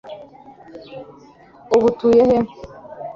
ubu utuye he